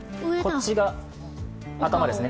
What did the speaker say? こちらが頭ですね。